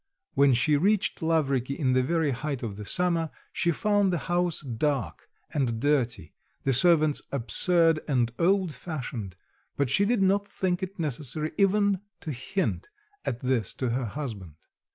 When she reached Lavriky in the very height of the summer, she found the house dark and dirty, the servants absurd and old fashioned, but she did not think it necessary even to hint at this to her husband.